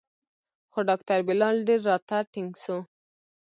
خو ډاکتر بلال ډېر راته ټينګ سو.